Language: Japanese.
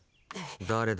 誰だ？